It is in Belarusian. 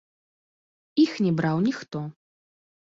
Іх не браў ніхто.